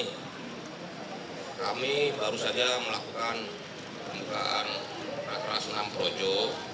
ini kami baru saja melakukan pembukaan rakyat rasnam projo